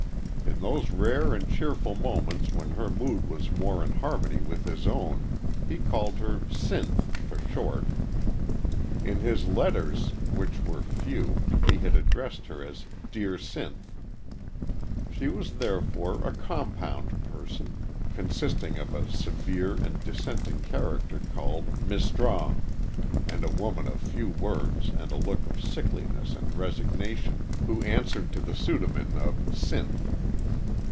In those rare and cheerful moments when her mood was more in harmony with his own he called her "Sinth" for short. In his letters, which were few, he had addressed her as "deer sinth." She was, therefore, a compound person, consisting of a severe and dissenting character called "Mis' Strong," and a woman of few words and a look of sickliness and resignation who answered to the pseudonyme of "Sinth."